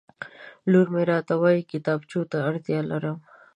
لور مې راته وویل کتابچو ته اړتیا لرم